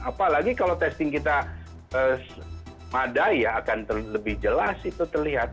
apalagi kalau testing kita madai ya akan lebih jelas itu terlihat